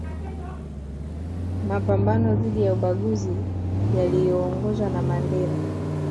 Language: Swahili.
mapambano dhidi ya ubaguzi yaliyoongozwa na Mandela